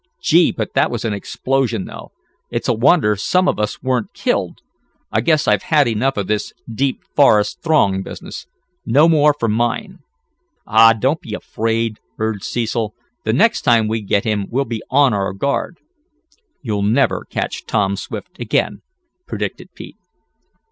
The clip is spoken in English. Gee, but that was an explosion though! It's a wonder some of us weren't killed! I guess I've had enough of this Deep Forest Throng business. No more for mine." "Aw, don't be afraid," urged Cecil. "The next time we get him we'll be on our guard." "You'll never catch Tom Swift again," predicted Pete.